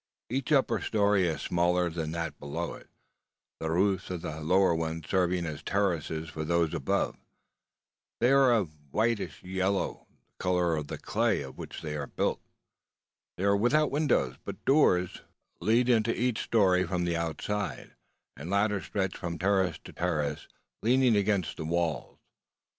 Each upper story is smaller than that below it, the roofs of the lower ones serving as terraces for those above. They are of a whitish yellow, the colour of the clay out of which they are built. They are without windows, but doors lead into each story from the outside; and ladders stretch from terrace to terrace, leaning against the walls.